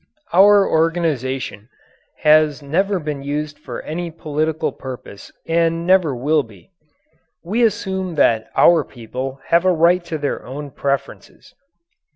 Our organization has never been used for any political purpose and never will be. We assume that our people have a right to their own preferences.